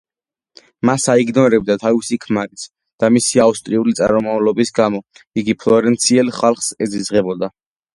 მას აიგნორებდა თავისი ქმარიც და მისი ავსტრიული წარმომავლობის გამო იგი ფლორენციელ ხალხს ეზიზღებოდა.